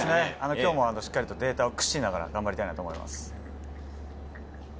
今日もデータを駆使しながら頑張りたいと思います。